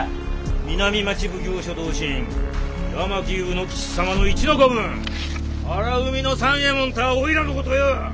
南町奉行所同心八巻卯之吉様の一の子分荒海ノ三右衛門とはおいらのことよ！